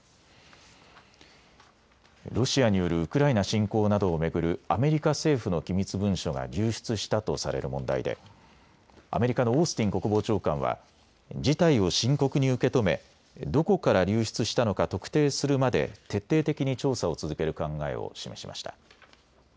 ロシアによるウクライナ侵攻などを巡るアメリカ政府の機密文書が流出したとされる問題でアメリカのオースティン国防長官は事態を深刻に受け止めどこから流出したのか特定するまで徹底的に調査を続ける考えを示しました。